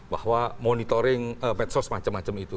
bahwa monitoring medsos macam macam itu